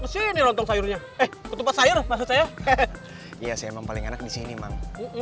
kesini lontong sayurnya eh betul betul saya iya saya memang paling enak disinimang